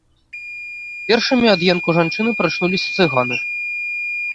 Першымі ад енку жанчыны прачнуліся цыганы.